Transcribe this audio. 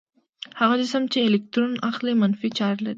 هغه جسم چې الکترون اخلي منفي چارج لري.